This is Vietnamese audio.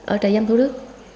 ở trại giam thủ đức